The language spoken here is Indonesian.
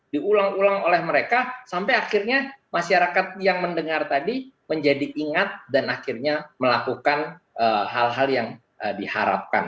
diulang ulang oleh mereka sampai akhirnya masyarakat yang mendengar tadi menjadi ingat dan akhirnya melakukan hal hal yang diharapkan